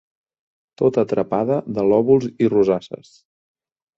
Tota trepada de lòbuls i rosasses